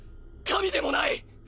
神でもない！！